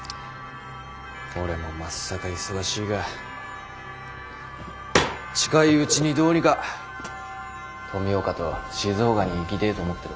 俺もまっさか忙しいが近いうちにどうにか富岡と静岡に行ぎてぇと思ってる。